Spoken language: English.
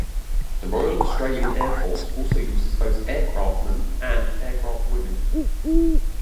The Royal Australian Air Force also uses both aircraftman and aircraftwoman.